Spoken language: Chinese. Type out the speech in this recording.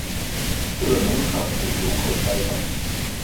这个农场对游客开放。